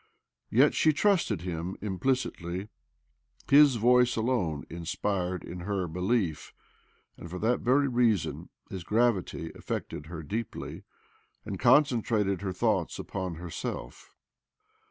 Yet she trusted him impHcitly— his voice alone inspired in her belief; and for that very reason his gravity affected her deeply, and concentrated her thoughts upon herself.